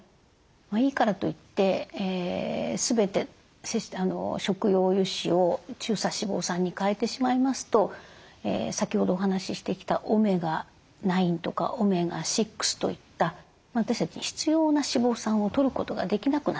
いいからといって全て食用油脂を中鎖脂肪酸に替えてしまいますと先ほどお話ししてきたオメガ９とかオメガ６といった私たちに必要な脂肪酸をとることができなくなってしまいます。